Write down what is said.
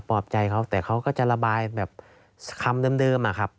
อบใจเขาแต่เขาก็จะระบายแบบคำเดิมอะครับ